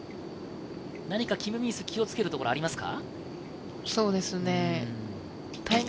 何かキム・ミンス、気をつけるところはありますか？